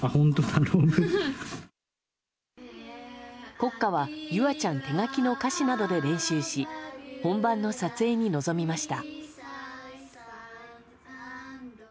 国歌は優羽ちゃん手書きの歌詞などで練習し本番の撮影に臨みました。